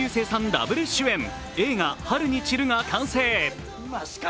ダブル主演、映画「春に散る」が完成。